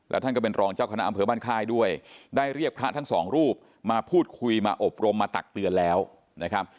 ท่านก็เป็นรองเจ้าคณะอำเภอบ้านค่ายด้วยได้เรียกพระทั้งสองรูปมาพูดคุยมาอบรมมาตักเตือนแล้วนะครับ